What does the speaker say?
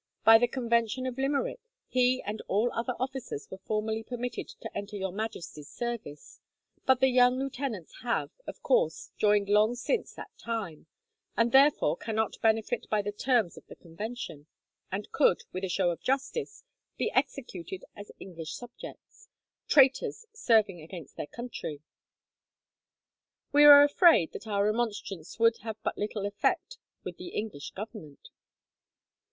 By the convention of Limerick, he and all other officers were formally permitted to enter Your Majesty's service; but the young lieutenants have, of course, joined long since that time, and therefore cannot benefit by the terms of the convention; and could, with a show of justice, be executed as English subjects, traitors serving against their country." "We are afraid that our remonstrance would have but little effect with the English Government."